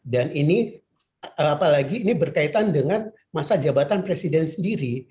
dan ini apalagi ini berkaitan dengan masa jabatan presiden sendiri